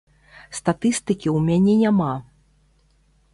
Статыстыкі ў мяне няма.